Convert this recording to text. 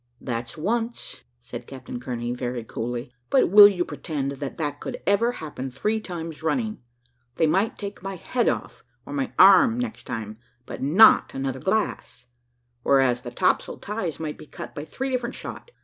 "That's once," said Captain Kearney, very coolly; "but will you pretend that that could ever happen three times running? They might take my head off, or my arm, next time, but not another glass; whereas the topsail ties might be cut by three different shot.